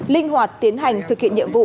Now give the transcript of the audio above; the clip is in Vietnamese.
linh hoạt tiến hành thực hiện nhiệm vụ